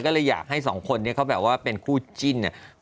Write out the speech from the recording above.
ก็เลยอยากให้สองคนเนี่ยเขาแบบว่าเป็นคู่จิ้นเนี่ย